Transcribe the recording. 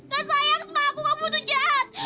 gak sayang sama aku kamu tuh jahat